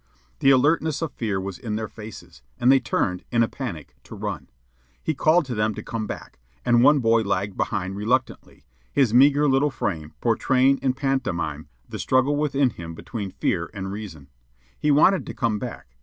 The alertness of fear was in their faces, and they turned, in a panic, to run. He called to them to come back, and one boy lagged behind reluctantly, his meagre little frame portraying in pantomime the struggle within him between fear and reason. He wanted to come back.